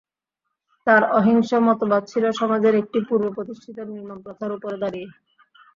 তাঁর অহিংস মতবাদ ছিল সমাজের একটি পূর্বপ্রতিষ্ঠিত নির্মম প্রথার ওপরে দাঁড়িয়ে।